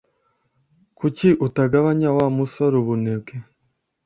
Kuki utagabanya Wa musore ubunebwe